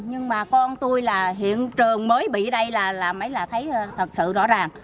nhưng mà con tôi là hiện trường mới bị đây là mấy là thấy thật sự rõ ràng